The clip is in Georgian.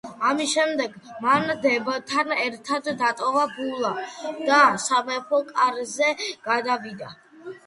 ამის შემდეგ მან დებთან ერთად დატოვა ბლუა და სამეფო კარზე გადავიდა.